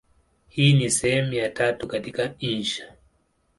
Hii ni sehemu ya tatu katika insha.